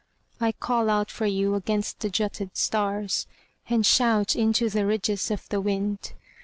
I call out for you against the jutted stars And shout into the ridges of the wind.